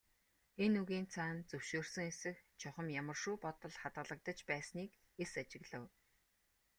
Энэ үгийн цаана зөвшөөрсөн эсэх, чухам ямар шүү бодол хадгалагдаж байсныг эс ажиглав.